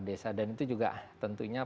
desa dan itu juga tentunya